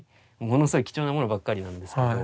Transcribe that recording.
ものすごい貴重なものばっかりなんですけど。